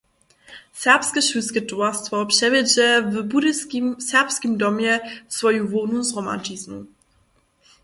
Serbske šulske towarstwo přewjedźe w Budyskim Serbskim domje swoju hłownu zhromadźiznu.